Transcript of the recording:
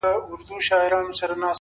• که دي زوی وي که دي ورور که دي بابا دی,